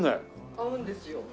合うんですよ。